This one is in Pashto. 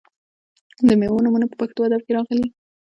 د میوو نومونه په پښتو ادب کې راغلي.